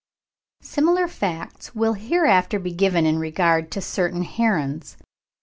Similar facts will hereafter be given in regard to certain herons.